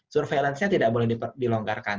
surveillance nya tidak boleh dilonggarkan